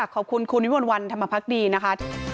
ขอบคุณคุณวิวัลวันทำพระพักดีนะคะ